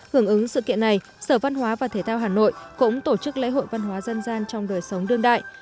hưởng ứng sự kiện này sở văn hóa và thể thao hà nội cũng tổ chức lễ hội văn hóa dân gian trong đời sống đương đại